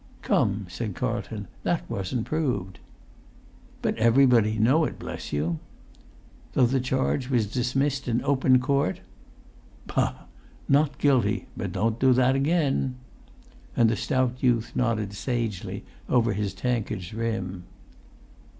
"Come," said Carlton, "that wasn't proved." "But everybody know it, bless you!" "Though the charge was dismissed in open court?" "Bah! 'Not guilty, but don't do that again!'" And the stout youth nodded sagely over his tankard's rim.